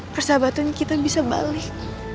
persahabatannya kita bisa balik